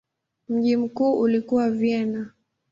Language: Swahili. Mji mkuu ulikuwa Vienna.